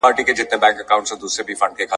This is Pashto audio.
• د زړه او وینې جریان پیاوړی کوي